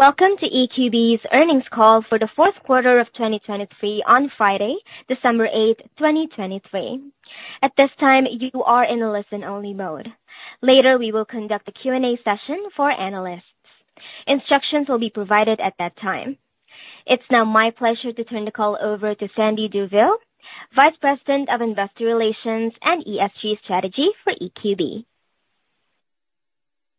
Welcome to EQB's earnings call for the fourth quarter of 2023 on Friday, December 8, 2023. At this time, you are in a listen-only mode. Later, we will conduct a Q&A session for analysts. Instructions will be provided at that time. It's now my pleasure to turn the call over to Sandie Douville, Vice President of Investor Relations and ESG Strategy for EQB.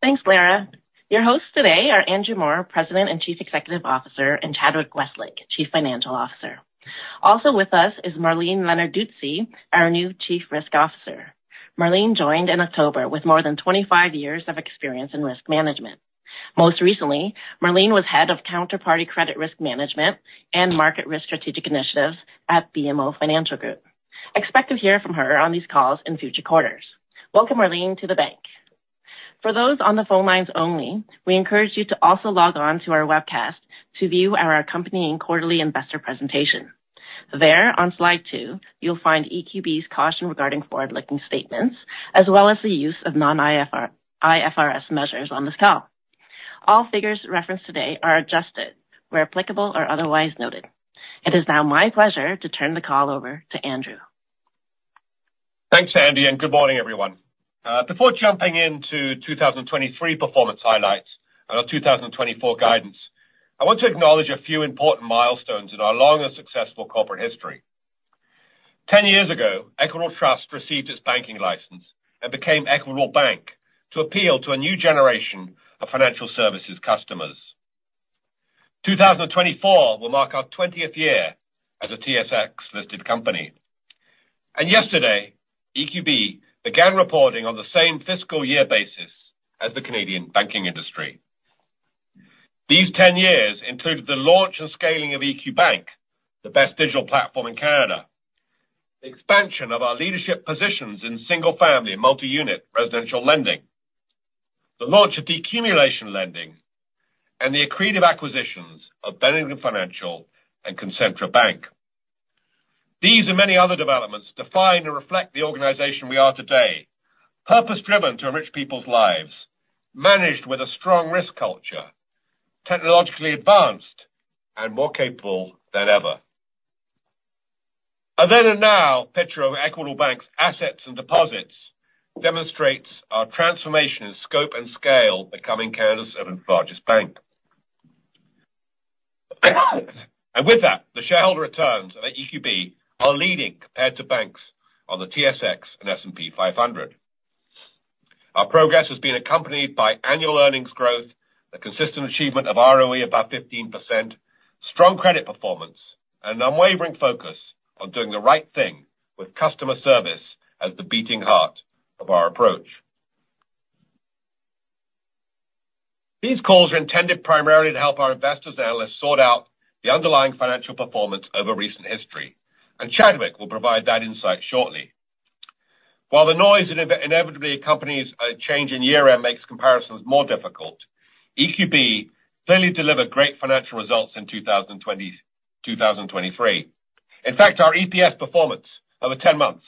Thanks, Laura. Your hosts today are Andrew Moor, President and Chief Executive Officer, and Chadwick Westlake, Chief Financial Officer. Also with us is Marlene Lenarduzzi, our new Chief Risk Officer. Marlene joined in October with more than 25 years of experience in risk management. Most recently, Marlene was head of Counterparty Credit Risk Management and Market Risk Strategic Initiatives at BMO Financial Group. Expect to hear from her on these calls in future quarters. Welcome, Marlene, to the bank. For those on the phone lines only, we encourage you to also log on to our webcast to view our accompanying quarterly investor presentation. There, on slide two, you'll find EQB's caution regarding forward-looking statements, as well as the use of non-IFRS measures on this call. All figures referenced today are adjusted where applicable or otherwise noted. It is now my pleasure to turn the call over to Andrew. Thanks, Sandie, and good morning, everyone. Before jumping into 2023 performance highlights and our 2024 guidance, I want to acknowledge a few important milestones in our long and successful corporate history. 10 years ago, Equitable Trust received its banking license and became Equitable Bank to appeal to a new generation of financial services customers. 2024 will mark our 20th year as a TSX-listed company, and yesterday, EQB began reporting on the same Fiscal Year basis as the Canadian banking industry. These 10 years included the launch and scaling of EQ Bank, the best digital platform in Canada, the expansion of our leadership positions in single-family and multi-unit residential lending, the launch of decumulation lending, and the accretive acquisitions of Bennington Financial and Concentra Bank. These and many other developments define and reflect the organization we are today, purpose-driven to enrich people's lives, managed with a strong risk culture, technologically advanced, and more capable than ever. And then and now, Equitable Bank's assets and deposits demonstrates our transformation in scope and scale, becoming Canada's seventh largest bank. And with that, the shareholder returns at EQB are leading compared to banks on the TSX and S&P 500. Our progress has been accompanied by annual earnings growth, the consistent achievement of ROE above 15%, strong credit performance, and unwavering focus on doing the right thing with customer service as the beating heart of our approach. These calls are intended primarily to help our investors and analysts sort out the underlying financial performance over recent history, and Chadwick will provide that insight shortly. While the noise that inevitably accompanies a change in year-end makes comparisons more difficult, EQB clearly delivered great financial results in 2022 and 2023. In fact, our EPS performance over 10 months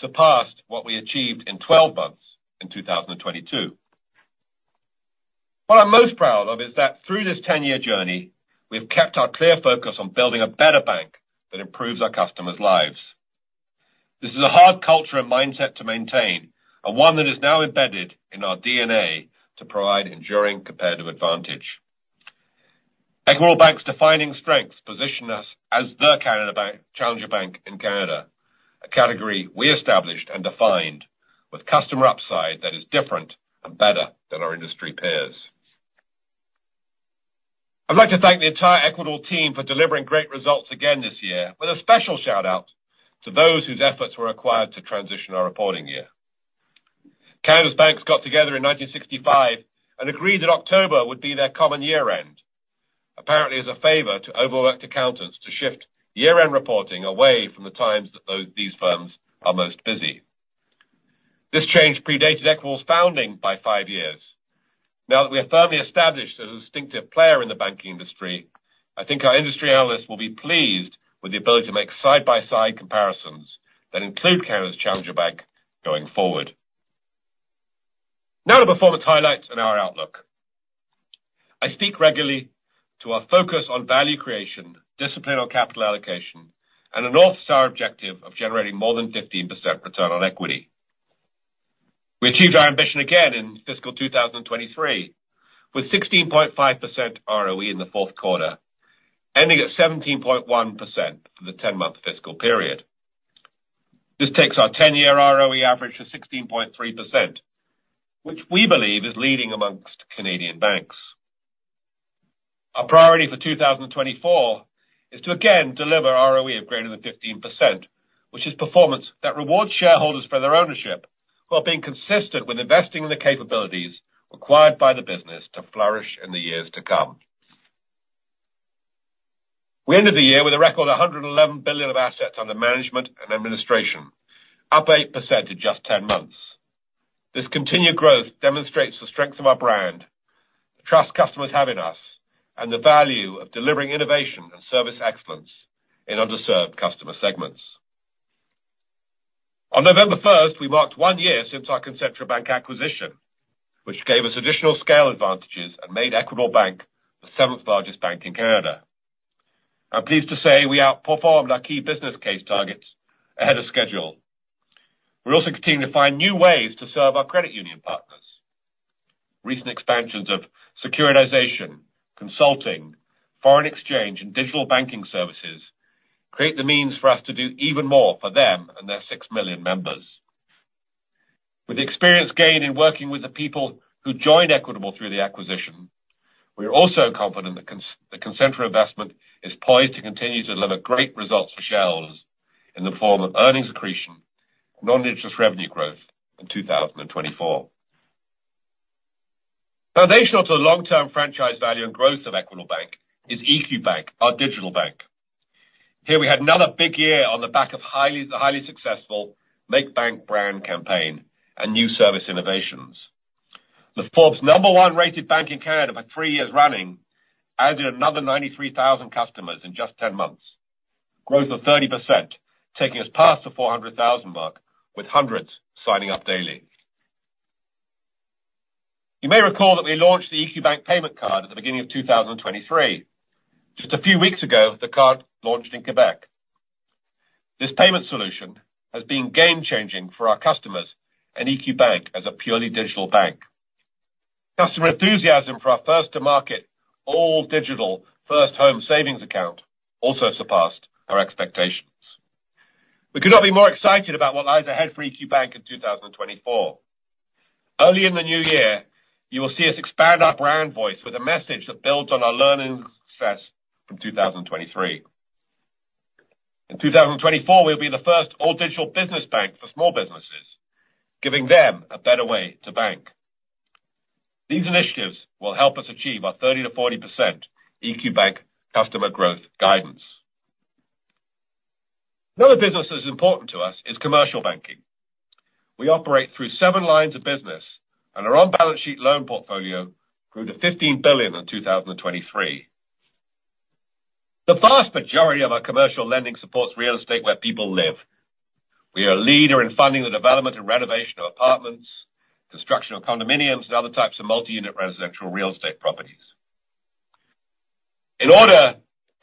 surpassed what we achieved in 12 months in 2022. What I'm most proud of is that through this 10-year journey, we've kept our clear focus on building a better bank that improves our customers' lives. This is a hard culture and mindset to maintain, and one that is now embedded in our DNA to provide enduring competitive advantage. Equitable Bank's defining strengths position us as the Canadian challenger bank in Canada, a category we established and defined with customer upside that is different and better than our industry peers. I'd like to thank the entire Equitable team for delivering great results again this year, with a special shout-out to those whose efforts were required to transition our reporting year. Canada's banks got together in 1965 and agreed that October would be their common year-end, apparently as a favor to overworked accountants to shift year-end reporting away from the times that these firms are most busy. This change predated Equitable's founding by five years. Now that we are firmly established as a distinctive player in the banking industry, I think our industry analysts will be pleased with the ability to make side-by-side comparisons that include Canada's Challenger Bank going forward. Now to performance highlights and our outlook. I speak regularly to our focus on value creation, discipline on capital allocation, and a North Star objective of generating more than 15% return on equity. We achieved our ambition again in Fiscal 2023, with 16.5% ROE in the fourth quarter, ending at 17.1% for the 10-month Fiscal period. This takes our 10-year ROE average to 16.3%, which we believe is leading amongst Canadian banks. Our priority for 2024 is to again deliver ROE of greater than 15%, which is performance that rewards shareholders for their ownership, while being consistent with investing in the capabilities required by the business to flourish in the years to come. We ended the year with a record of 111 billion of assets under management and administration, up 8% in just 10 months. This continued growth demonstrates the strength of our brand, the trust customers have in us, and the value of delivering innovation and service excellence in underserved customer segments. On November 1st, we marked one year since our Concentra Bank acquisition, which gave us additional scale advantages and made Equitable Bank the seventh largest bank in Canada. I'm pleased to say we outperformed our key business case targets ahead of schedule. We're also continuing to find new ways to serve our credit union partners. Recent expansions of securitization, consulting, foreign exchange, and digital banking services create the means for us to do even more for them and their 6 million members. With the experience gained in working with the people who joined Equitable through the acquisition, we are also confident that the Concentra investment is poised to continue to deliver great results for shareholders in the form of earnings accretion, non-interest revenue growth in 2024. Foundational to the long-term franchise value and growth of Equitable Bank is EQ Bank, our digital bank. Here we had another big year on the back of highly, highly successful Make Bank brand campaign and new service innovations. The Forbes number one rated bank in Canada for 3 years running added another 93,000 customers in just 10 months. Growth of 30%, taking us past the 400,000 marks, with hundreds signing up daily. You may recall that we launched the EQ Bank payment card at the beginning of 2023. Just a few weeks ago, the card launched in Quebec. This payment solution has been game changing for our customers and EQ Bank as a purely digital bank. Customer enthusiasm for our first to market, all digital, First Home Savings Account also surpassed our expectations. We could not be more excited about what lies ahead for EQ Bank in 2024. Early in the new year, you will see us expand our brand voice with a message that builds on our learning success from 2023. In 2024, we'll be the first all-digital business bank for small businesses, giving them a better way to bank. These initiatives will help us achieve our 30%-40% EQ Bank customer growth guidance. Another business that's important to us is commercial banking. We operate through seven lines of business, and our on-balance sheet loan portfolio grew to 15 billion in 2023. The vast majority of our commercial lending supports real estate where people live. We are a leader in funding the development and renovation of apartments, construction of condominiums, and other types of multi-unit residential real estate properties. In order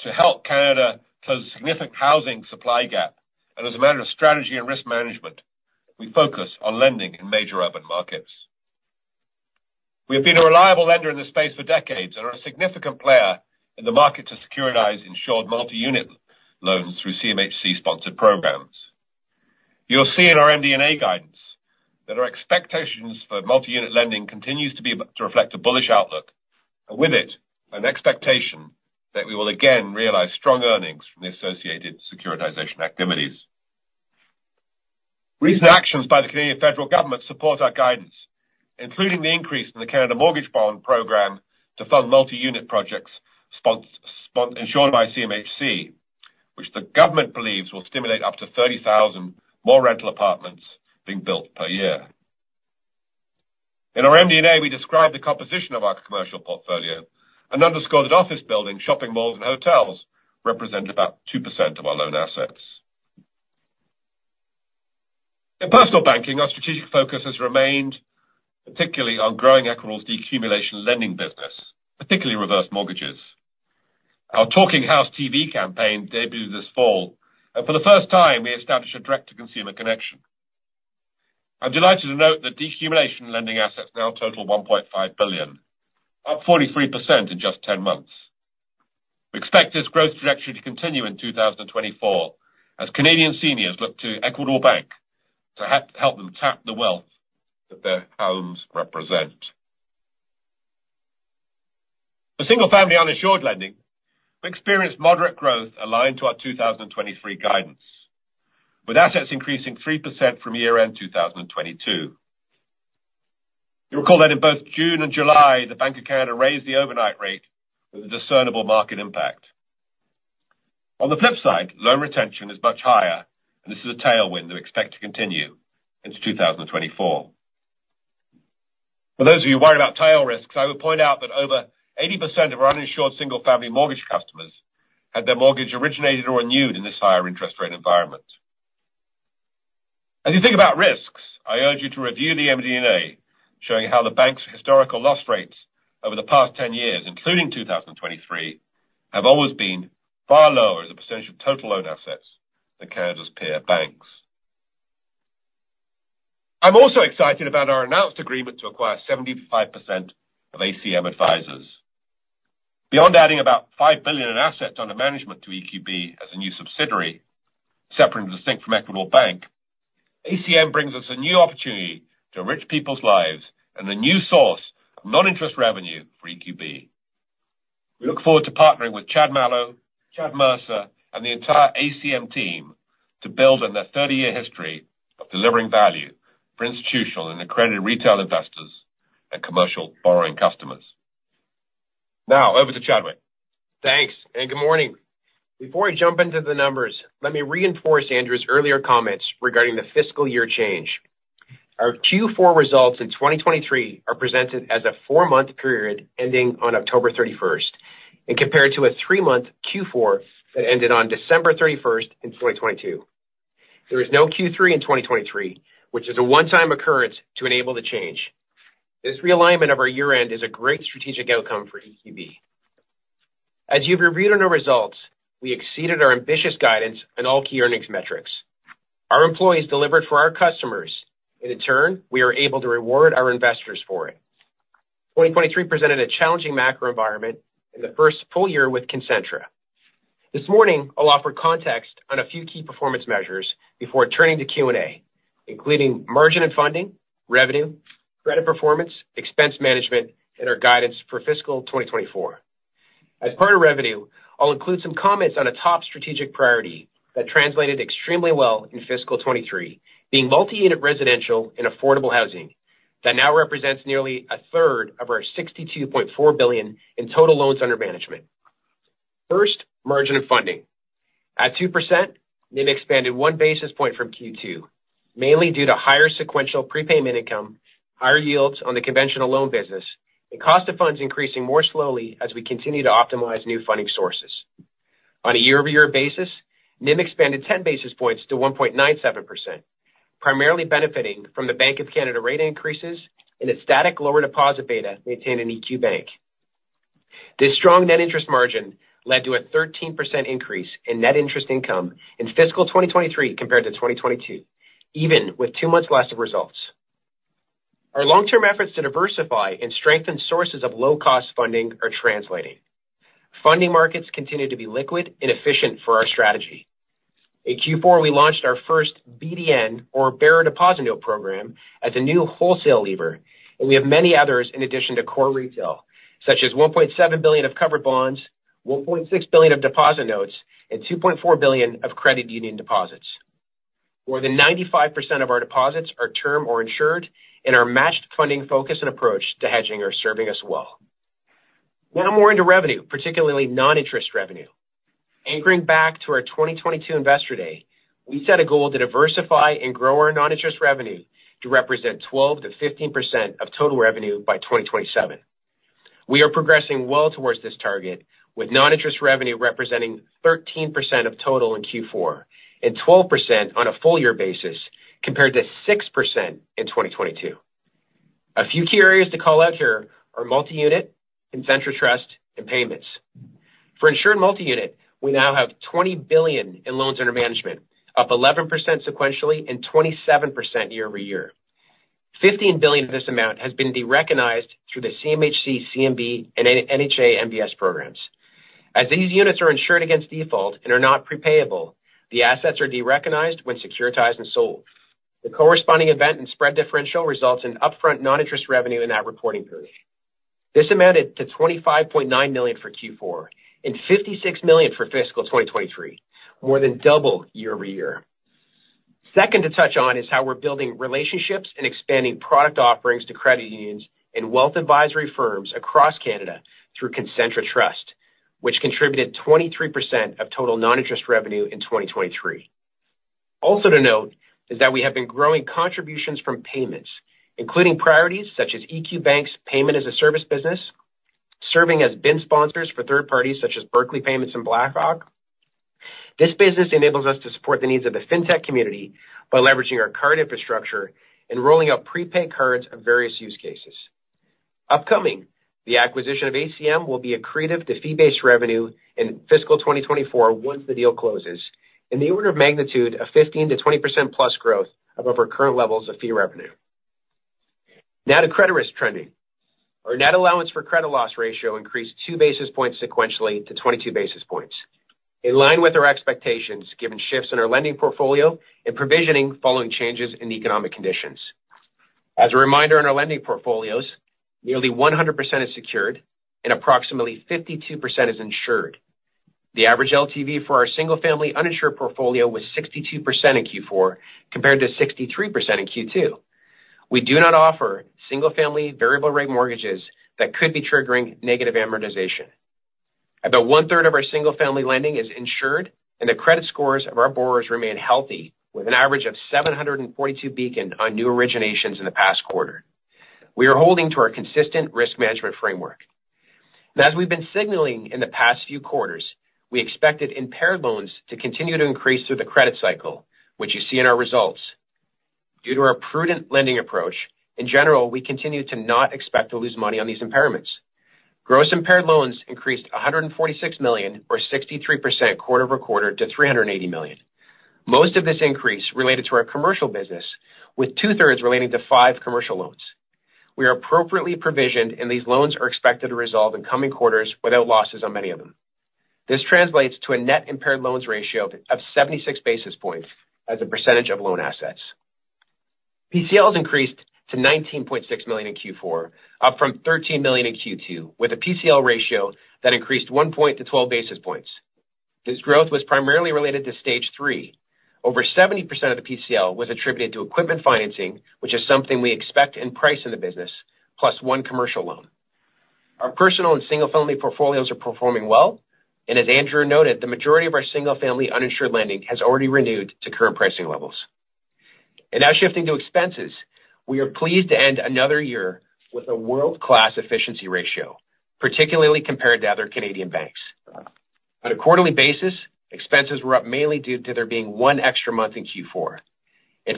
to help Canada close a significant housing supply gap, and as a matter of strategy and risk management, we focus on lending in major urban markets. We have been a reliable lender in this space for decades and are a significant player in the market to securitize insured multi-unit loans through CMHC-sponsored programs. You'll see in our MD&A guidance that our expectations for multi-unit lending continue to be able to reflect a bullish outlook, and with it, an expectation that we will again realize strong earnings from the associated securitization activities. Recent actions by the Canadian federal government support our guidance, including the increase in the Canada Mortgage Bond program to fund multi-unit projects insured by CMHC, which the government believes will stimulate up to 30,000 more rental apartments being built per year. In our MD&A, we described the composition of our commercial portfolio and underscored that office buildings, shopping malls, and hotels represented about 2% of our loan assets. In personal banking, our strategic focus has remained particularly on growing Equitable's decumulation lending business, particularly reverse mortgages. Our Talking House TV campaign debuted this fall, and for the first time, we established a direct-to-consumer connection. I'm delighted to note that decumulation lending assets now total 1.5 billion, up 43% in just 10 months. We expect this growth trajectory to continue in 2024, as Canadian seniors look to Equitable Bank to help them tap the wealth that their homes represent. For single-family uninsured lending, we experienced moderate growth aligned to our 2023 guidance, with assets increasing 3% from year-end 2022. You'll recall that in both June and July, the Bank of Canada raised the overnight rate with a discernible market impact. On the flip side, loan retention is much higher, and this is a tailwind we expect to continue into 2024. For those of you worried about tail risks, I would point out that over 80% of our uninsured single-family mortgage customers had their mortgage originated or renewed in this higher interest rate environment. As you think about risks, I urge you to review the MD&A, showing how the bank's historical loss rates over the past 10 years, including 2023, have always been far lower as a percentage of total loan assets than Canada's peer banks. I'm also excited about our announced agreement to acquire 75% of ACM Advisors. Beyond adding about 5 billion in assets under management to EQB as a new subsidiary, separate and distinct from Equitable Bank, ACM brings us a new opportunity to enrich people's lives and a new source of non-interest revenue for EQB. We look forward to partnering with Chad Mallow, Chad Mercer, and the entire ACM team to build on their 30-year history of delivering value for institutional and accredited retail investors and commercial borrowing customers. Now, over to Chadwick. Thanks, and good morning. Before I jump into the numbers, let me reinforce Andrew's earlier comments regarding the Fiscal year change. Our Q4 results in 2023 are presented as a 4-month period ending on October thirty-first, and compared to a 3-month Q4 that ended on December thirty-first in 2022. There is no Q3 in 2023, which is a one-time occurrence to enable the change. This realignment of our year-end is a great strategic outcome for EQB. As you've reviewed on our results, we exceeded our ambitious guidance on all key earnings metrics. Our employees delivered for our customers, and in turn, we are able to reward our investors for it. 2023 presented a challenging macro environment in the first full year with Concentra. This morning, I'll offer context on a few key performance measures before turning to Q&A, including margin and funding, revenue, credit performance, expense management, and our guidance for Fiscal 2024. As part of revenue, I'll include some comments on a top strategic priority that translated extremely well in Fiscal 2023, being multi-unit residential and affordable housing, that now represents nearly a third of our 62.4 billion in total loans under management. First, margin of funding. At 2%, NIM expanded 1 basis point from Q2, mainly due to higher sequential prepayment income, higher yields on the conventional loan business, and cost of funds increasing more slowly as we continue to optimize new funding sources. On a year-over-year basis, NIM expanded 10 basis points to 1.97%, primarily benefiting from the Bank of Canada rate increases and a static lower deposit beta maintained in EQ Bank. This strong net interest margin led to a 13% increase in net interest income in Fiscal 2023 compared to 2022, even with 2 months less of results. Our long-term efforts to diversify and strengthen sources of low-cost funding are translating. Funding markets continue to be liquid and efficient for our strategy. In Q4, we launched our first BDN, or bearer deposit note program, as a new wholesale lever, and we have many others in addition to core retail, such as 1.7 billion of covered bonds, 1.6 billion of deposit notes, and 2.4 billion of credit union deposits. More than 95% of our deposits are term or insured, and our matched funding focus and approach to hedging are serving us well. Now more into revenue, particularly non-interest revenue. Anchoring back to our 2022 Investor Day, we set a goal to diversify and grow our non-interest revenue to represent 12%-15% of total revenue by 2027. We are progressing well towards this target, with non-interest revenue representing 13% of total in Q4, and 12% on a full year basis, compared to 6% in 2022. A few key areas to call out here are multi-unit, Concentra Trust, and payments. For insured multi-unit, we now have 20 billion in loans under management, up 11% sequentially and 27% year-over-year. 15 billion of this amount has been derecognized through the CMHC, CMB, and NHA MBS programs. As these units are insured against default and are not prepayable, the assets are derecognized when securitized and sold. The corresponding event and spread differential results in upfront non-interest revenue in that reporting period. This amounted to 25.9 million for Q4 and 56 million for Fiscal 2023, more than double year-over-year. Second to touch on is how we're building relationships and expanding product offerings to credit unions and wealth advisory firms across Canada through Concentra Trust, which contributed 23% of total non-interest revenue in 2023. Also to note is that we have been growing contributions from payments, including priorities such as EQ Bank's Payment as a Service business, serving as BIN sponsors for third parties such as Berkeley Payments and Blackhawk. This business enables us to support the needs of the fintech community by leveraging our card infrastructure and rolling out prepaid cards of various use cases. Upcoming, the acquisition of ACM will be accretive to fee-based revenue in Fiscal 2024 once the deal closes, in the order of magnitude of 15%-20% plus growth above our current levels of fee revenue. Now to credit risk trending. Our net allowance for credit loss ratio increased 2 basis points sequentially to 22 basis points, in line with our expectations, given shifts in our lending portfolio and provisioning following changes in economic conditions. As a reminder, in our lending portfolios, nearly 100% is secured and approximately 52% is insured. The average LTV for our single-family uninsured portfolio was 62% in Q4, compared to 63% in Q2. We do not offer single-family variable rate mortgages that could be triggering negative amortization. About one-third of our single-family lending is insured, and the credit scores of our borrowers remain healthy, with an average of 742 Beacon on new originations in the past quarter. We are holding to our consistent risk management framework. Now, as we've been signaling in the past few quarters, we expected impaired loans to continue to increase through the credit cycle, which you see in our results. Due to our prudent lending approach, in general, we continue to not expect to lose money on these impairments. Gross impaired loans increased 146 million or 63% quarter-over-quarter to 380 million. Most of this increase related to our commercial business, with two-thirds relating to 5 commercial loans. We are appropriately provisioned, and these loans are expected to resolve in coming quarters without losses on many of them. This translates to a net impaired loans ratio of 76 basis points as a percentage of loan assets. PCLs increased to 19.6 million in Q4, up from 13 million in Q2, with a PCL ratio that increased 1 point to 12 basis points. This growth was primarily related to Stage 3. Over 70% of the PCL was attributed to equipment financing, which is something we expect and price in the business, plus one commercial loan. Our personal and single-family portfolios are performing well, and as Andrew noted, the majority of our single-family uninsured lending has already renewed to current pricing levels. Now shifting to expenses, we are pleased to end another year with a world-class efficiency ratio, particularly compared to other Canadian banks. On a quarterly basis, expenses were up mainly due to there being 1 extra month in Q4.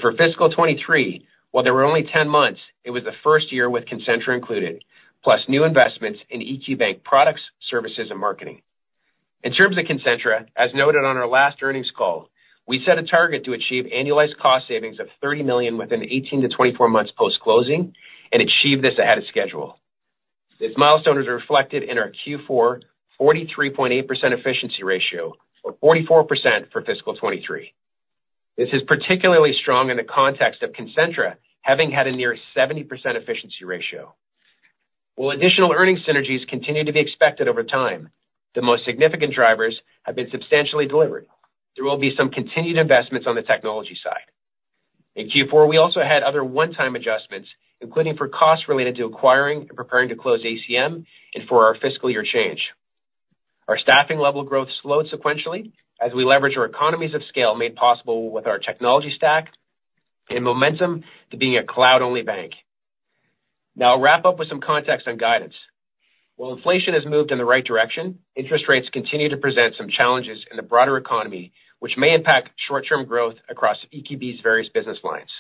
For Fiscal 2023, while there were only 10 months, it was the first year with Concentra included, plus new investments in EQ Bank products, services, and marketing. In terms of Concentra, as noted on our last earnings call, we set a target to achieve annualized cost savings of 30 million within 18-24 months post-closing and achieve this ahead of schedule. These milestones are reflected in our Q4 43.8% efficiency ratio, or 44% for Fiscal 2023. This is particularly strong in the context of Concentra, having had a near 70% efficiency ratio. While additional earnings synergies continue to be expected over time, the most significant drivers have been substantially delivered. There will be some continued investments on the technology side. In Q4, we also had other one-time adjustments, including for costs related to acquiring and preparing to close ACM and for our Fiscal Year change. Our staffing level growth slowed sequentially as we leveraged our economies of scale, made possible with our technology stack and momentum to being a cloud-only bank. Now I'll wrap up with some context on guidance. While inflation has moved in the right direction, interest rates continue to present some challenges in the broader economy, which may impact short-term growth across EQB's various business lines.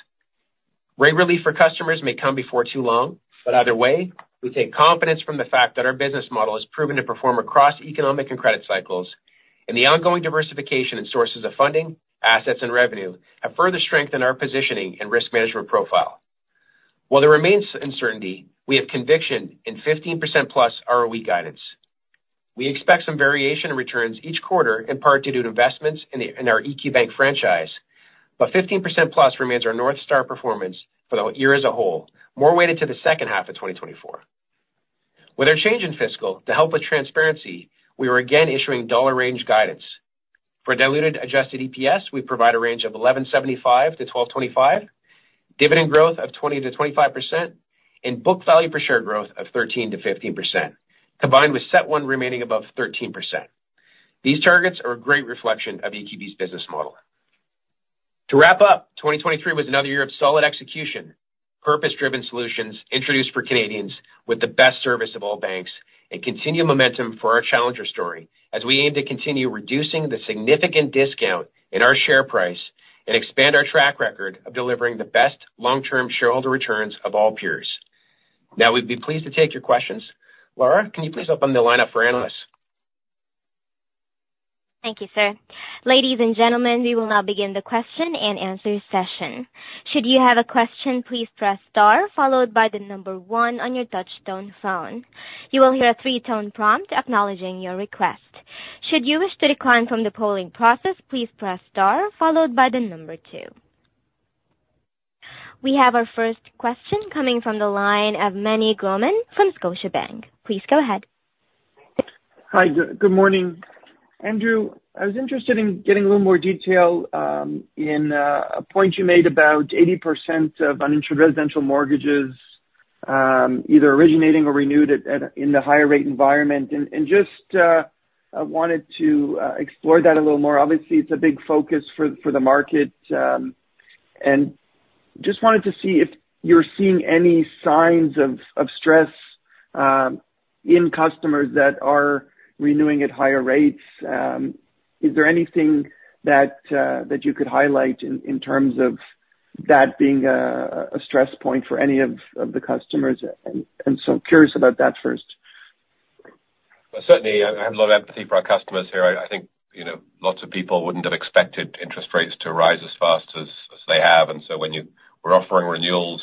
Rate relief for customers may come before too long, but either way, we take confidence from the fact that our business model has proven to perform across economic and credit cycles, and the ongoing diversification in sources of funding, assets, and revenue have further strengthened our positioning and risk management profile. While there remains uncertainty, we have conviction in 15%+ ROE guidance. We expect some variation in returns each quarter, in part due to investments in our EQ Bank franchise, but 15%+ remains our North Star performance for the year as a whole, more weighted to the second half of 2024. With our change in fiscal, to help with transparency, we are again issuing dollar range guidance. For diluted adjusted EPS, we provide a range of 11.75-12.25, dividend growth of 20%-25%, and book value per share growth of 13%-15%, combined with CET1 remaining above 13%. These targets are a great reflection of EQB's business model. To wrap up, 2023 was another year of solid execution, purpose-driven solutions introduced for Canadians with the best service of all banks, and continued momentum for our challenger story as we aim to continue reducing the significant discount in our share price and expand our track record of delivering the best long-term shareholder returns of all peers. Now, we'd be pleased to take your questions. Laura, can you please open the line up for analysts? Thank you, sir. Ladies and gentlemen, we will now begin the question and answer session. Should you have a question, please press star followed by the number 1 on your touchtone phone. You will hear a 3-tone prompt acknowledging your request. Should you wish to decline from the polling process, please press star followed by the number 2. We have our first question coming from the line of Meny Grauman from Scotiabank. Please go ahead. Hi, good morning. Andrew, I was interested in getting a little more detail in a point you made about 80% of uninsured residential mortgages either originating or renewed at in the higher rate environment. And just I wanted to explore that a little more. Obviously, it's a big focus for the market, and just wanted to see if you're seeing any signs of stress in customers that are renewing at higher rates. Is there anything that you could highlight in terms of that being a stress point for any of the customers? And so curious about that first. Well, certainly I have a lot of empathy for our customers here. I think, you know, lots of people wouldn't have expected interest rates to rise as fast as they have, and so when we're offering renewals,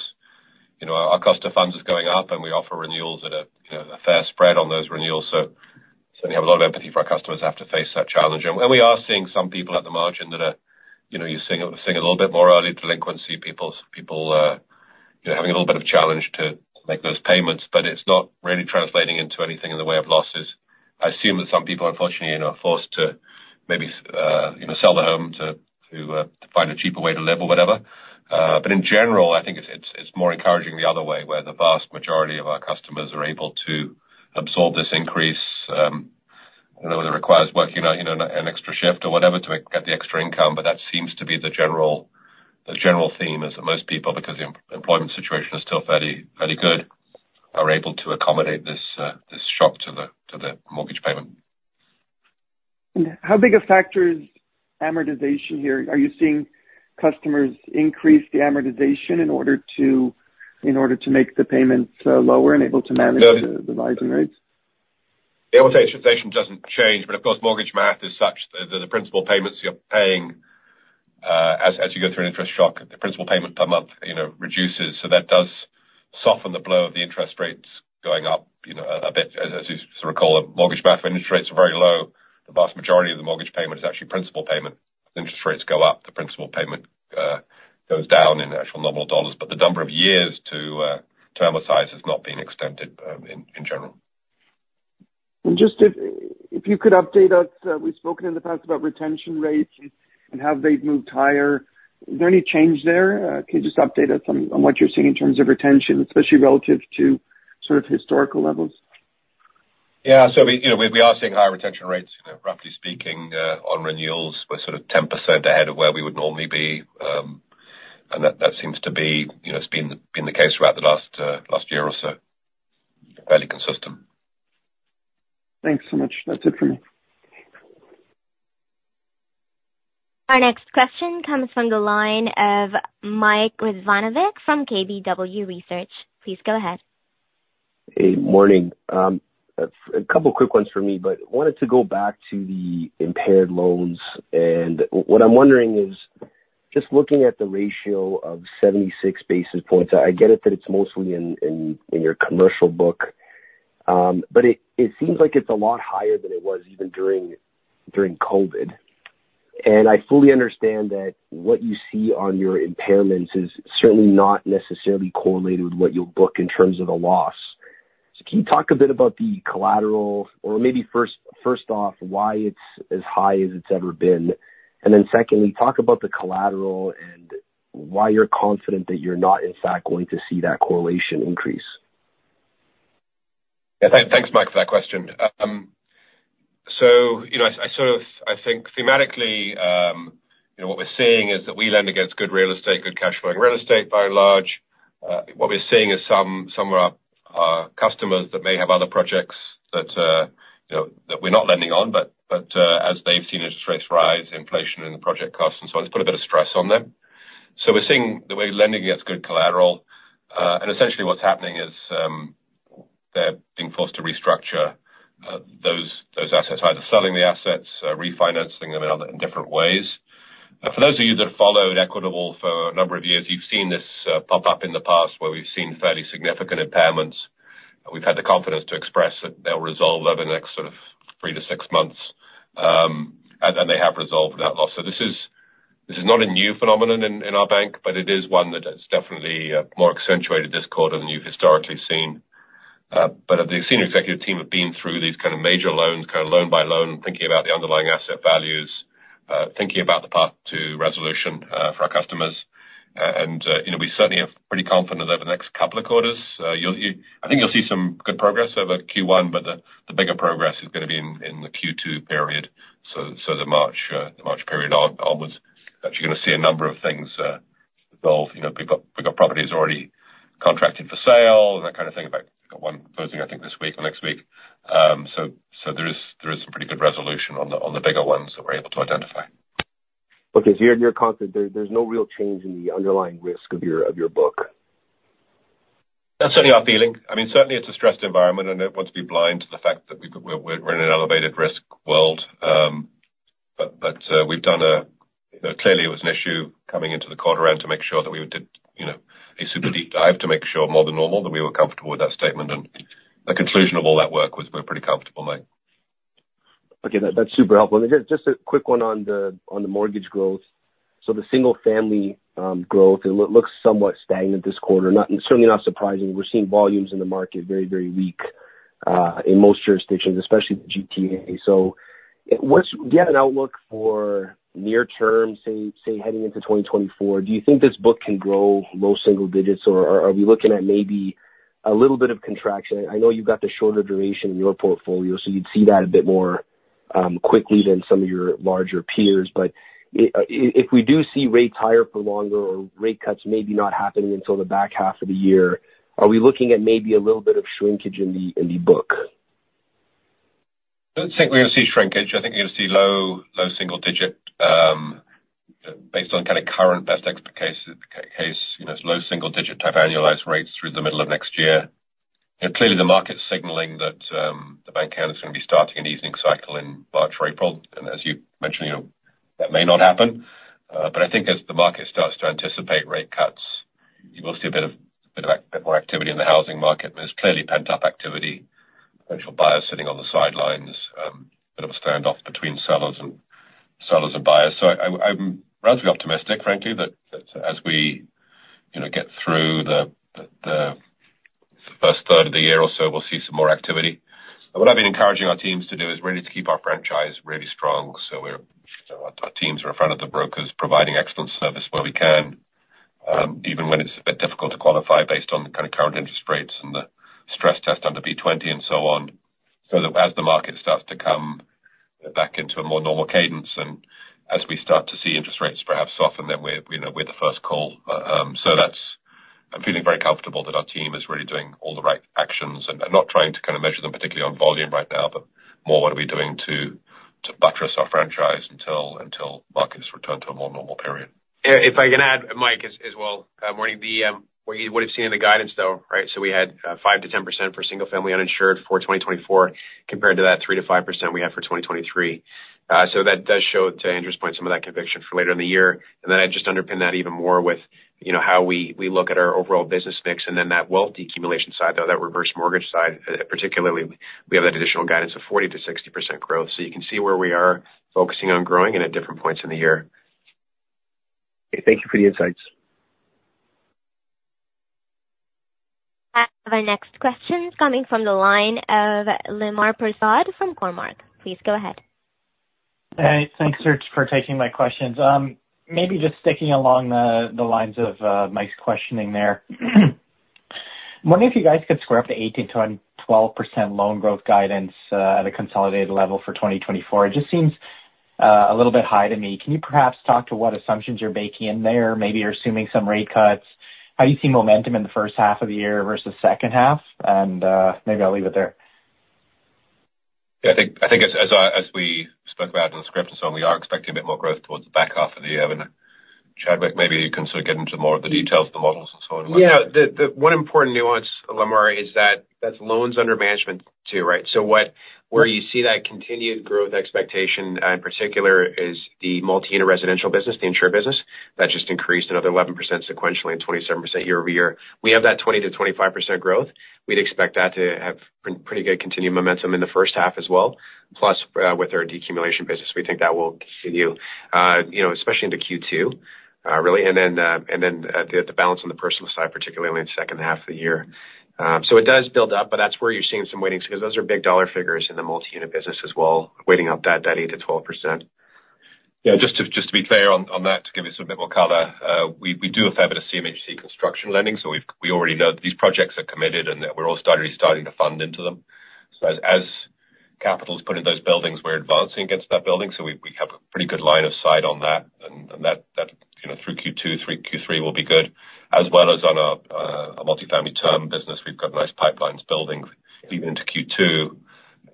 you know, our cost of funds is going up, and we offer renewals at a, you know, a fair spread on those renewals. So certainly have a lot of empathy for our customers who have to face that challenge. And we are seeing some people at the margin that are, you know, you're seeing a little bit more early delinquency, people you know, having a little bit of challenge to make those payments, but it's not really translating into anything in the way of losses. I assume that some people, unfortunately, you know, are forced to maybe, you know, sell their home to find a cheaper way to live or whatever. But in general, I think it's more encouraging the other way, where the vast majority of our customers are able to absorb this increase. I don't know whether it requires working, you know, an extra shift or whatever to get the extra income, but that seems to be the general theme is that most people, because the employment situation is still fairly good, are able to accommodate this shock to the mortgage payment. How big a factor is amortization here? Are you seeing customers increase the amortization in order to make the payments lower and able to manage the rising rates? Amortization doesn't change, but of course, mortgage math is such that that the principal payments you're paying, as you go through an interest shock, the principal payment per month, you know, reduces, so that does soften the blow of the interest rates going up, you know, a bit. As you sort of recall, mortgage math, when interest rates are very low, the vast majority of the mortgage payment is actually principal payment. As interest rates go up, the principal payment goes down in actual nominal dollars, but the number of years to amortize has not been extended, in general. ... Just if you could update us, we've spoken in the past about retention rates and how they've moved higher. Is there any change there? Can you just update us on what you're seeing in terms of retention, especially relative to sort of historical levels? Yeah. So we, you know, we are seeing higher retention rates. You know, roughly speaking, on renewals, we're sort of 10% ahead of where we would normally be. And that seems to be, you know, it's been the case throughout the last year or so. Fairly consistent. Thanks so much. That's it for me. Our next question comes from the line of Mike Rizvanovic from KBW Research. Please go ahead. Hey, morning. A couple quick ones for me, but wanted to go back to the impaired loans. And what I'm wondering is, just looking at the ratio of 76 basis points, I get it that it's mostly in your commercial book. But it seems like it's a lot higher than it was even during COVID. And I fully understand that what you see on your impairments is certainly not necessarily correlated with what you'll book in terms of the loss. So can you talk a bit about the collateral or maybe first off, why it's as high as it's ever been? And then secondly, talk about the collateral and why you're confident that you're not in fact going to see that correlation increase. Yeah, thanks, Mike, for that question. So, you know, I think thematically, you know, what we're seeing is that we lend against good real estate, good cash flowing real estate, by and large. What we're seeing is some of our customers that may have other projects that, you know, that we're not lending on, but, as they've seen interest rates rise, inflation and project costs and so on, it's put a bit of stress on them. So we're seeing the way lending gets good collateral, and essentially what's happening is, they're being forced to restructure, those assets, either selling the assets, refinancing them in other, in different ways. For those of you that have followed Equitable for a number of years, you've seen this pop up in the past, where we've seen fairly significant impairments. We've had the confidence to express that they'll resolve over the next sort of three to six months, and they have resolved that loss. So this is not a new phenomenon in our bank, but it is one that is definitely more accentuated this quarter than you've historically seen. But the senior executive team have been through these kind of major loans, kind of loan by loan, thinking about the underlying asset values, thinking about the path to resolution for our customers. And you know, we certainly are pretty confident over the next couple of quarters. I think you'll see some good progress over Q1, but the bigger progress is gonna be in the Q2 period. So the March period onwards, actually you're gonna see a number of things involve. You know, we've got properties already contracted for sale, that kind of thing. In fact, we've got one closing, I think, this week or next week. So there is some pretty good resolution on the bigger ones that we're able to identify. Okay, so you're confident there's no real change in the underlying risk of your book? That's certainly our feeling. I mean, certainly it's a stressed environment, and I don't want to be blind to the fact that we're in an elevated risk world. But we've done a... You know, clearly it was an issue coming into the quarter around to make sure that we did, you know, a super deep dive, to make sure more than normal, that we were comfortable with that statement. And the conclusion of all that work was we're pretty comfortable, Mike. Okay, that's super helpful. And just a quick one on the mortgage growth. So the single family growth, it looks somewhat stagnant this quarter. Certainly not surprising. We're seeing volumes in the market very, very weak in most jurisdictions, especially the GTA. So, do you have an outlook for near term, say, heading into 2024? Do you think this book can grow low single digits, or are we looking at maybe a little bit of contraction? I know you've got the shorter duration in your portfolio, so you'd see that a bit more quickly than some of your larger peers. But if we do see rates higher for longer or rate cuts maybe not happening until the back half of the year, are we looking at maybe a little bit of shrinkage in the book? I don't think we're gonna see shrinkage. I think you're gonna see low single digit, based on kind of current best expert case, you know, low single digit type annualized rates through the middle of next year. And clearly, the market's signaling that, the Bank of Canada is gonna be starting an easing cycle in March or April. And as you mentioned, you know, that may not happen. But I think as the market starts to anticipate rate cuts, you will see a bit more activity in the housing market. There's clearly pent-up activity, potential buyers sitting on the sidelines, bit of a standoff between sellers and buyers. So I'm relatively optimistic, frankly, that as we, you know, get through the first third of the year or so, we'll see some more activity. But what I've been encouraging our teams to do is really to keep our franchise really strong. So we're, our teams are in front of the brokers, providing excellent service where we can, even when it's a bit difficult to qualify based on the kind of current interest rates and the stress test under B20 and so on. So that as the market starts to come back into a more normal cadence, and as we start to see interest rates perhaps soften, then we're, you know, we're the first call. So that's. I'm feeling very comfortable that our team is really doing all the right actions and, and not trying to kind of measure them, particularly on volume right now, but more what are we doing to, to buttress our franchise until, until markets return to a more normal period. If I can add, Mike, as well, morning. What you would have seen in the guidance, though, right? So we had 5%-10% for single family uninsured for 2024, compared to that 3%-5% we had for 2023. So that does show, to Andrew's point, some of that conviction for later in the year. And then I'd just underpin that even more with, you know, how we look at our overall business mix, and then that wealth accumulation side, though, that reverse mortgage side, particularly, we have that additional guidance of 40%-60% growth. So you can see where we are focusing on growing and at different points in the year. Thank you for the insights. ... Our next question is coming from the line of Lemar Persaud from Cormark. Please go ahead. Hey, thanks, sir, for taking my questions. Maybe just sticking along the lines of Mike's questioning there. I'm wondering if you guys could square up the 18%-22% loan growth guidance at a consolidated level for 2024. It just seems a little bit high to me. Can you perhaps talk to what assumptions you're baking in there? Maybe you're assuming some rate cuts. How you see momentum in the first half of the year versus second half? And, maybe I'll leave it there. Yeah, I think, I think as we spoke about in the script, and so we are expecting a bit more growth towards the back half of the year, and Chadwick, maybe you can sort of get into more of the details of the models and so on. Yeah. The one important nuance, Lemar, is that that's loans under management too, right? So, what, where you see that continued growth expectation, in particular, is the multi-unit residential business, the insured business, that just increased another 11% sequentially, and 27% year-over-year. We have that 20%-25% growth. We'd expect that to have pretty good continued momentum in the first half as well. Plus, with our decumulation business, we think that will continue, you know, especially into Q2, really. And then, and then at the balance on the personal side, particularly in the second half of the year. So it does build up, but that's where you're seeing some weightings, because those are big dollar figures in the multi-unit business as well, weighting up that 8%-12%. Yeah, just to be clear on that, to give you some bit more color, we do a fair bit of CMHC construction lending, so we already know these projects are committed and that we're starting to fund into them. So as capital is put in those buildings, we're advancing against that building, so we have a pretty good line of sight on that, and that, you know, through Q2, through Q3 will be good. As well as on a multifamily term business, we've got nice pipelines building even into Q2.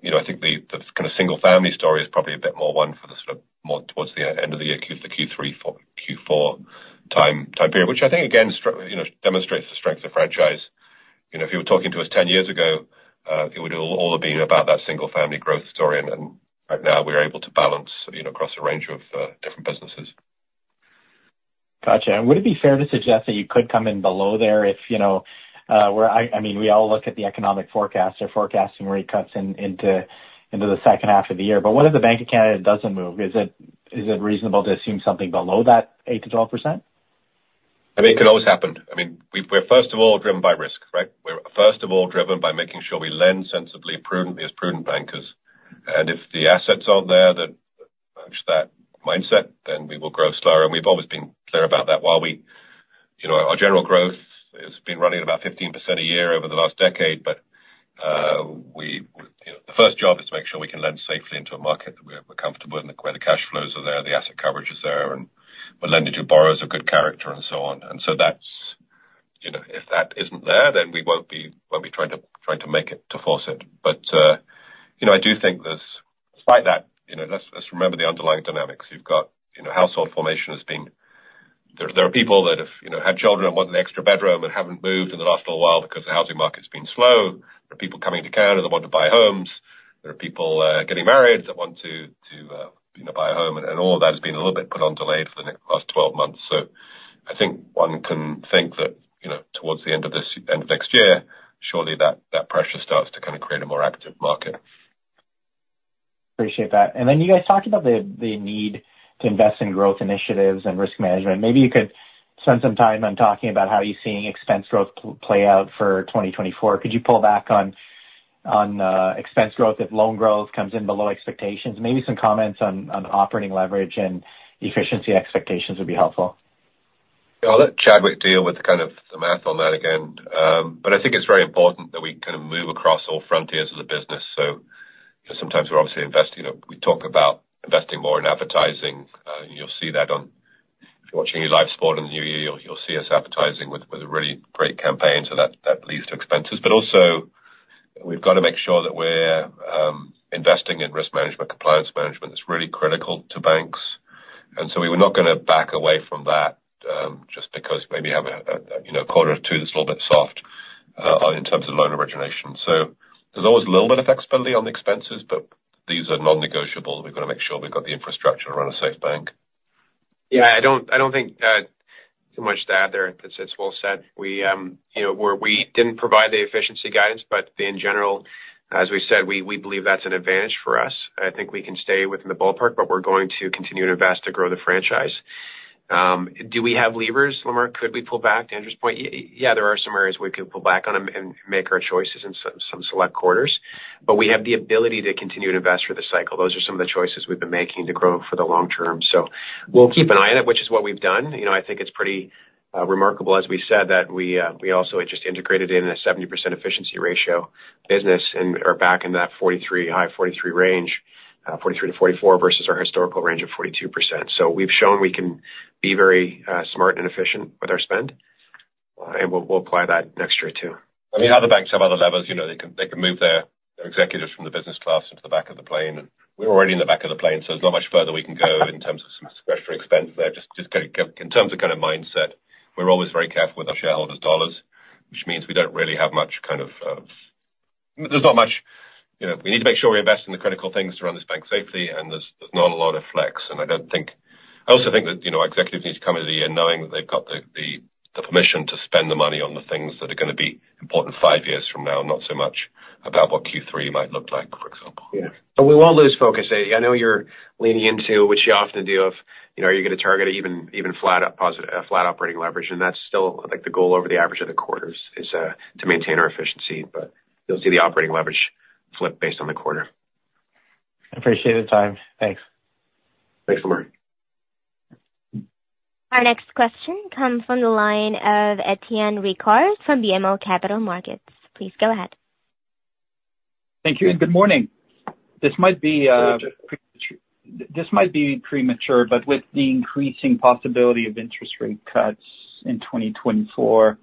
You know, I think the kind of single family story is probably a bit more one for the sort of more towards the end of the year, Q3, Q4 time period. Which I think, again, you know, demonstrates the strength of the franchise. You know, if you were talking to us 10 years ago, it would all have been about that single family growth story, and right now, we're able to balance, you know, across a range of different businesses. Gotcha. Would it be fair to suggest that you could come in below there if, you know, we're—I mean, we all look at the economic forecast or forecasting rate cuts into the second half of the year? But what if the Bank of Canada doesn't move? Is it reasonable to assume something below that 8%-12%? I mean, it could always happen. I mean, we've—we're first of all, driven by risk, right? We're first of all driven by making sure we lend sensibly and prudently as prudent bankers. And if the assets aren't there that match that mindset, then we will grow slower. And we've always been clear about that. While we, you know, our general growth has been running about 15% a year over the last decade, but we, you know, the first job is to make sure we can lend safely into a market, we're, we're comfortable, and where the cash flows are there, the asset coverage is there, and we're lending to borrowers of good character and so on. And so that's, you know, if that isn't there, then we won't be, won't be trying to, trying to make it, to force it. But, you know, I do think there's... Despite that, you know, let's remember the underlying dynamics. You've got, you know, household formation has been. There are people that have, you know, had children and want an extra bedroom and haven't moved in the last little while because the housing market's been slow. There are people coming to Canada that want to buy homes. There are people getting married that want to buy a home, and all of that has been a little bit put on delay for the next last 12 months. So I think one can think that, you know, towards the end of this, end of next year, surely that pressure starts to kind of create a more active market. Appreciate that. Then you guys talked about the need to invest in growth initiatives and risk management. Maybe you could spend some time on talking about how you're seeing expense growth play out for 2024. Could you pull back on expense growth if loan growth comes in below expectations? Maybe some comments on operating leverage and efficiency expectations would be helpful. I'll let Chadwick deal with kind of the math on that again, but I think it's very important that we kind of move across all frontiers of the business. So sometimes we're obviously investing, you know, we talk about investing more in advertising. You'll see that on... If you're watching any live sport in the new year, you'll see us advertising with a really great campaign, so that leads to expenses. But also, we've got to make sure that we're investing in risk management, compliance management; it's really critical to banks. And so we were not gonna back away from that, just because maybe you have a, you know, quarter or two that's a little bit soft in terms of loan origination. So there's always a little bit of flexibility on the expenses, but these are non-negotiable. We've got to make sure we've got the infrastructure to run a safe bank. Yeah, I don't think too much to add there. It's well said. We, you know, we didn't provide the efficiency guidance, but in general, as we said, we believe that's an advantage for us. I think we can stay within the ballpark, but we're going to continue to invest to grow the franchise. Do we have levers, Lemar, could we pull back to Andrew's point? Yeah, there are some areas we could pull back on and make our choices in some select quarters, but we have the ability to continue to invest for the cycle. Those are some of the choices we've been making to grow for the long term. So we'll keep an eye on it, which is what we've done. You know, I think it's pretty remarkable, as we said, that we also had just integrated in a 70% efficiency ratio business and are back in that 43, high 43 range, 43%-44%, versus our historical range of 42%. So we've shown we can be very smart and efficient with our spend, and we'll apply that next year, too. I mean, other banks have other levels, you know, they can move their executives from the business class into the back of the plane. We're already in the back of the plane, so there's not much further we can go in terms of some discretionary expense there. Just kind of in terms of mindset, we're always very careful with our shareholders' dollars, which means we don't really have much kind of. You know, we need to make sure we invest in the critical things to run this bank safely, and there's not a lot of flex, and I don't think... I also think that, you know, our executives need to come into the year knowing that they've got the permission to spend the money on the things that are gonna be important five years from now, not so much about what Q3 might look like.... Yeah, but we won't lose focus. I know you're leaning into, which you often do, of, you know, are you gonna target even flat operating leverage, and that's still, I think, the goal over the average of the quarters, to maintain our efficiency, but you'll see the operating leverage flip based on the quarter. Appreciate the time. Thanks. Thanks, Mark. Our next question comes from the line of Etienne Ricard from BMO Capital Markets. Please go ahead. Thank you, and good morning. This might be premature, but with the increasing possibility of interest rate cuts in 2024,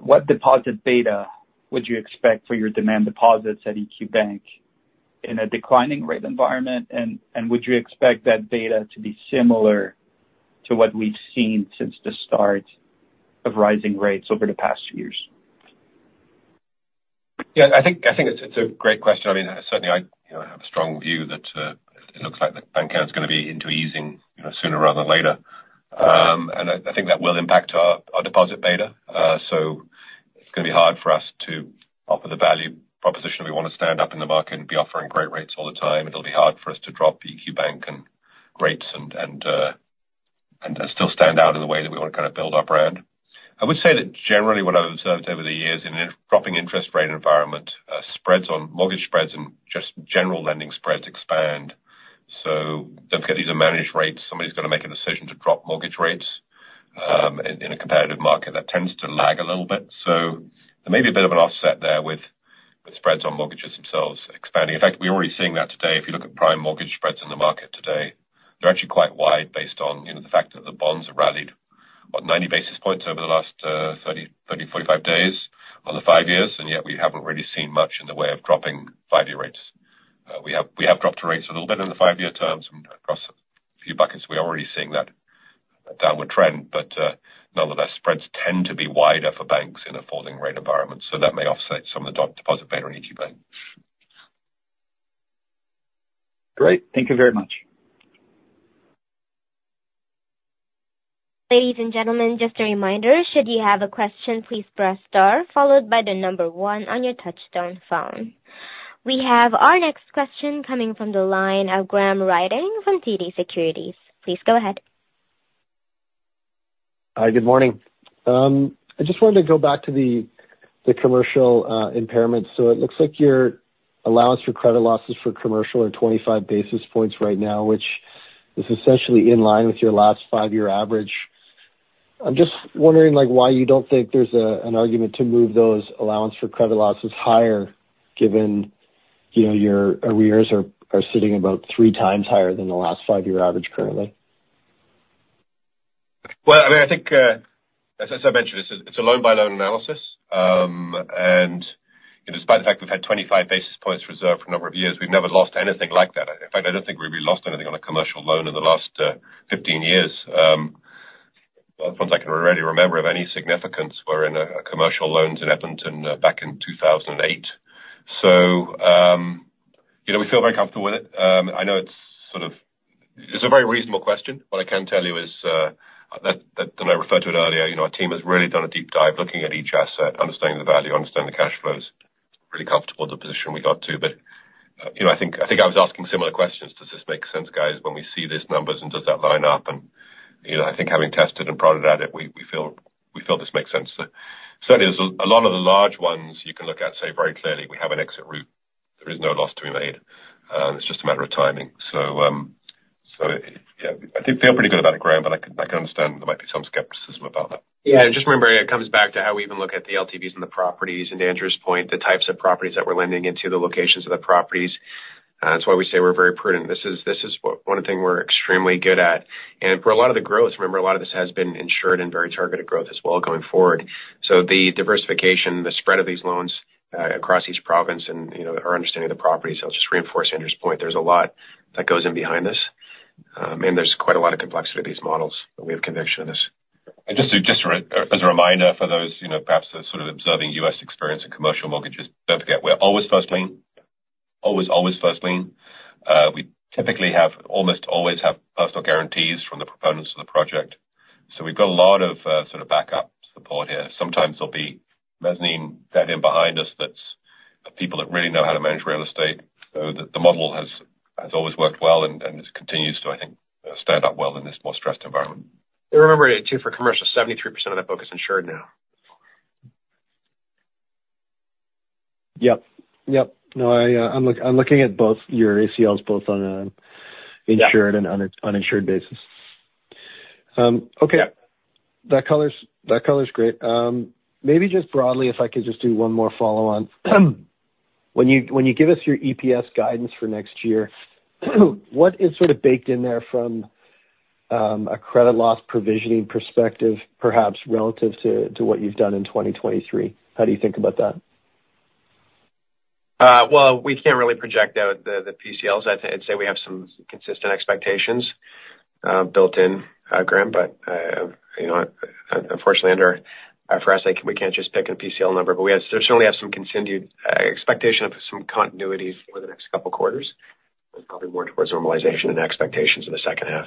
what deposit beta would you expect for your demand deposits at EQ Bank in a declining rate environment? And, would you expect that beta to be similar to what we've seen since the start of rising rates over the past few years? Yeah, I think it's a great question. I mean, certainly I, you know, have a strong view that it looks like the bank account's gonna be into easing, you know, sooner rather than later. And I think that will impact our Deposit Beta. So it's gonna be hard for us to offer the value proposition. We wanna stand up in the market and be offering great rates all the time. It'll be hard for us to drop EQ Bank and rates and still stand out in the way that we wanna kind of build our brand. I would say that generally what I've observed over the years, in a dropping interest rate environment, spreads on mortgage spreads and just general lending spreads expand. So don't forget, these are managed rates. Somebody's got to make a decision to drop mortgage rates in a competitive market that tends to lag a little bit. So there may be a bit of an offset there with spreads on mortgages themselves expanding. In fact, we're already seeing that today. If you look at prime mortgage spreads in the market today, they're actually quite wide, based on, you know, the fact that the bonds have rallied about 90 basis points over the last 30-45 days on the five years, and yet we haven't really seen much in the way of dropping five-year rates. We have dropped rates a little bit in the five-year terms across a few buckets. We're already seeing that downward trend, but, nonetheless, spreads tend to be wider for banks in a falling rate environment, so that may offset some of the deposit beta on EQ Bank. Great. Thank you very much. Ladies and gentlemen, just a reminder, should you have a question, please press star followed by the number one on your touch-tone phone. We have our next question coming from the line of Graham Ryding from TD Securities. Please go ahead. Hi, good morning. I just wanted to go back to the commercial impairment. So it looks like your allowance for credit losses for commercial are 25 basis points right now, which is essentially in line with your last five-year average. I'm just wondering, like, why you don't think there's an argument to move those allowance for credit losses higher, given, you know, your arrears are sitting about three times higher than the last five-year average currently? Well, I mean, I think, as I mentioned, it's a loan-by-loan analysis. And, you know, despite the fact we've had 25 basis points reserved for a number of years, we've never lost anything like that. In fact, I don't think we've really lost anything on a commercial loan in the last 15 years. Well, as far as I can really remember of any significance, we're in a commercial loans in Edmonton back in 2008. So, you know, we feel very comfortable with it. I know it's sort of... It's a very reasonable question. What I can tell you is, that, and I referred to it earlier, you know, our team has really done a deep dive, looking at each asset, understanding the value, understanding the cash flows, pretty comfortable with the position we got to. But, you know, I think I was asking similar questions: "Does this make sense, guys, when we see these numbers, and does that line up?" And, you know, I think having tested and productized it, we feel this makes sense. Certainly there's a lot of the large ones you can look at, say, very clearly, we have an exit route. There is no loss to be made, it's just a matter of timing. So, yeah, I think feel pretty good about it, Graham, but I can understand there might be some skepticism about that. Yeah, just remember, it comes back to how we even look at the LTVs and the properties, and Andrew's point, the types of properties that we're lending into, the locations of the properties. That's why we say we're very prudent. This is one of the things we're extremely good at. And for a lot of the growth, remember, a lot of this has been insured and very targeted growth as well, going forward. So the diversification, the spread of these loans across each province and, you know, our understanding of the property. So just to reinforce Andrew's point, there's a lot that goes in behind this. And there's quite a lot of complexity to these models, but we have conviction in this. Just as a reminder for those, you know, perhaps sort of observing US experience in commercial mortgages, don't forget, we're always first lien. Always, always first lien. We typically have, almost always have personal guarantees from the proponents of the project. So we've got a lot of sort of backup support here. Sometimes there'll be mezzanine debt in behind us that's people that really know how to manage real estate. So the model has always worked well and it continues to, I think, stand up well in this more stressed environment. Remember, too, for commercial, 73% of that book is insured now. Yep. Yep. No, I'm looking at both your ACLs, both on an- Yeah... insured and uninsured basis. Okay. That color's great. Maybe just broadly, if I could just do one more follow-on. When you give us your EPS guidance for next year, what is sort of baked in there from a credit loss provisioning perspective, perhaps relative to what you've done in 2023? How do you think about that? Well, we can't really project out the PCLs. I'd say we have some consistent expectations built in, Graham. But you know, unfortunately, under IFRS, we can't just pick a PCL number, but we certainly have some continued expectation of some continuity over the next couple of quarters, and probably more towards normalization and expectations in the second half.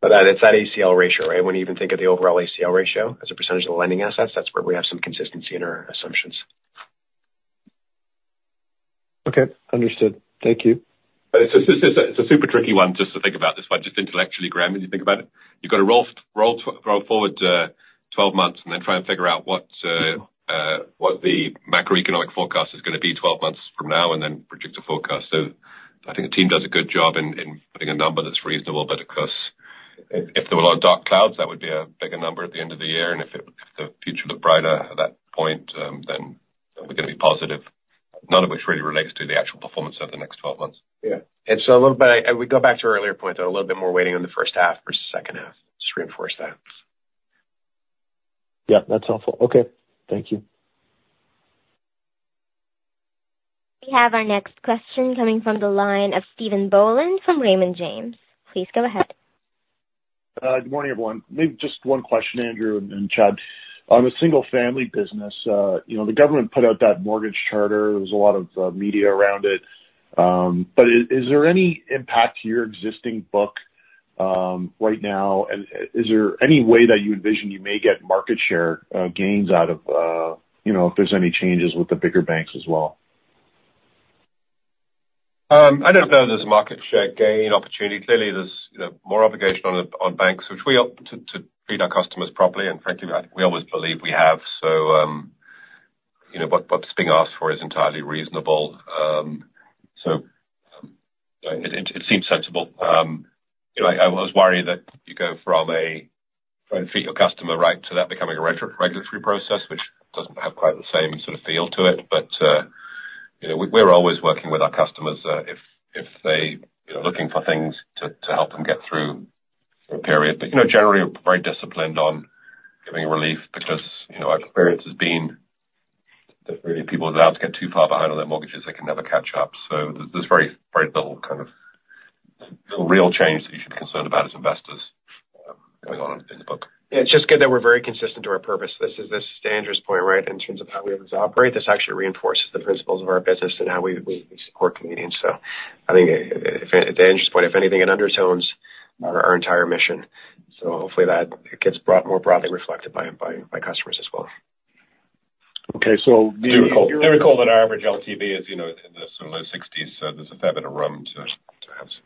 But it's that ACL ratio, right? When you even think of the overall ACL ratio as a percentage of the lending assets, that's where we have some consistency in our assumptions. Okay, understood. Thank you. But it's a super tricky one just to think about this one, just intellectually, Graham, when you think about it. You've got to roll forward 12 months and then try and figure out what the macroeconomic forecast is gonna be 12 months from now, and then predict a forecast. So I think the team does a good job in putting a number that's reasonable, but of course, if there were a lot of dark clouds, that would be a bigger number at the end of the year, and if the future looked brighter at that point, then we're gonna be positive. None of which really relates to the actual performance over the next 12 months. Yeah. And so, a little bit, I, we go back to our earlier point, though, a little bit more weighting in the first half versus second half, just reinforce that. Yeah, that's all for... Okay, thank you. We have our next question coming from the line of Stephen Boland from Raymond James. Please go ahead. Good morning, everyone. Maybe just one question, Andrew and Chad. On the single-family business, you know, the government put out that Mortgage Charter. There was a lot of media around it. But is there any impact to your existing book, right now? And is there any way that you envision you may get market share gains out of, you know, if there's any changes with the bigger banks as well? I don't know there's a market share gain opportunity. Clearly, there's you know, more obligation on the banks, which we hope to treat our customers properly, and frankly, we always believe we have. So, you know, what's being asked for is entirely reasonable. So, it seems sensible. You know, I was worried that you go from a try and treat your customer right to that becoming a regulatory process, which doesn't have quite the same sort of feel to it. But, you know, we're always working with our customers if they you know looking for things to help them get through a period. But, you know, generally, we're very disciplined on giving relief because, you know, our experience has been that really, people are allowed to get too far behind on their mortgages, they can never catch up. So there's very, very little kind of real change that you should be concerned about as investors, going on in the book. Yeah, it's just good that we're very consistent to our purpose. This is, this is Andrew's point, right? In terms of how we operate, this actually reinforces the principles of our business and how we, we support Canadians. So, I think if, Andrew's point, if anything, it undertones our, our entire mission. So hopefully that gets brought more broadly reflected by, by, by customers as well. Okay. So Do recall that our average LTV is, you know, in the sort of low sixties, so there's a fair bit of room to have some.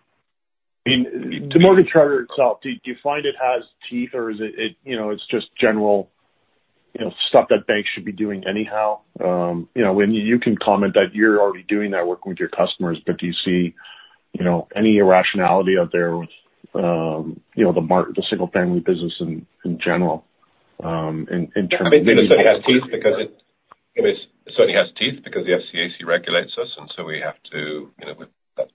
I mean, the Mortgage Charter itself, do you find it has teeth or is it, you know, it's just general, you know, stuff that banks should be doing anyhow? You know, when you can comment that you're already doing that, working with your customers, but do you see, you know, any irrationality out there with, you know, the mark- the single family business in, in general, in terms of- It certainly has teeth because the FCAC regulates us, and so we have to, you know.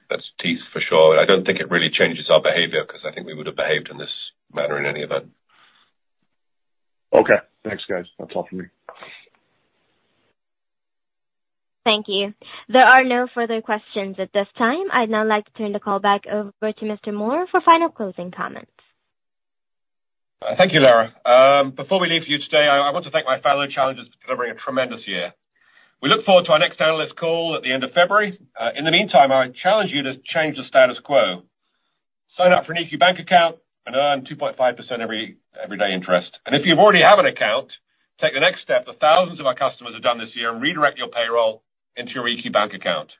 That's teeth for sure. I don't think it really changes our behavior, because I think we would have behaved in this manner in any event. Okay. Thanks, guys. That's all for me. Thank you. There are no further questions at this time. I'd now like to turn the call back over to Mr. Moor for final closing comments. Thank you, Laura. Before we leave you today, I want to thank my fellow challengers for delivering a tremendous year. We look forward to our next analyst call at the end of February. In the meantime, I challenge you to change the status quo. Sign up for an EQ Bank account and earn 2.5% everyday interest. If you already have an account, take the next step that thousands of our customers have done this year and redirect your payroll into your EQ Bank account.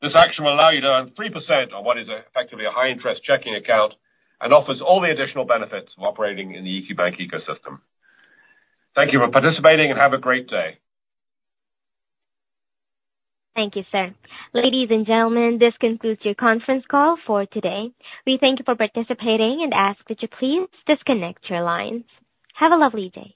This action will allow you to earn 3% on what is effectively a high-interest chequing account and offers all the additional benefits of operating in the EQ Bank ecosystem. Thank you for participating and have a great day. Thank you, sir. Ladies and gentlemen, this concludes your conference call for today. We thank you for participating and ask that you please disconnect your lines. Have a lovely day.